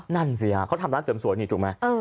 นั่นสิอ่ะทำร้านเสริมสวนจรกไหม